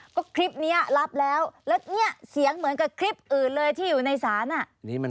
ก็คลิปนี้รับแล้วแล้วเนี่ยเสียงเหมือนกับคลิปอื่นเลยที่อยู่ในศาล